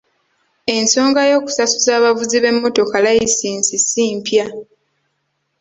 Ensonga y'okusasuza abavuzi b'emmotoka layisinsi ssi mpya.